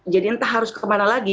entah harus kemana lagi